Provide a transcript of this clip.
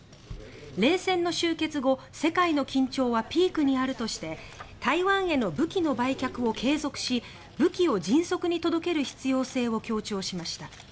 冷戦の終結後世界の緊張はピークにあるとして台湾への武器の売却を継続し武器を迅速に届ける必要性を強調しました。